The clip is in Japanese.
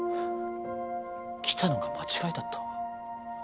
来たのが間違いだった。